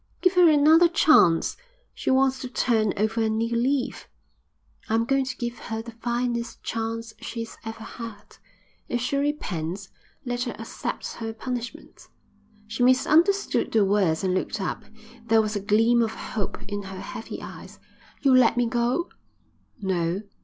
Give her another chance. She wants to turn over a new leaf." "I'm going to give her the finest chance she's ever had. If she repents let her accept her punishment." She misunderstood the words and looked up. There was a gleam of hope in her heavy eyes. "You'll let me go?" "No.